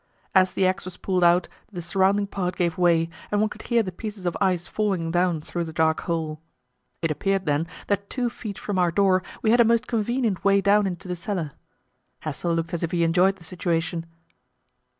As the axe was pulled out the surrounding part gave way, and one could hear the pieces of ice falling down through the dark hole. It appeared, then, that two feet from our door we had a most convenient way down into the cellar. Hassel looked as if he enjoyed the situation.